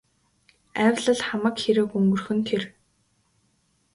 Айвал л хамаг хэрэг өнгөрөх нь тэр.